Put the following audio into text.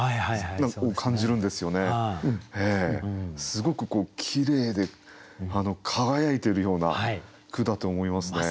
すごくきれいで輝いているような句だと思いますね。